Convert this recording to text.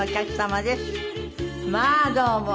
まあどうも。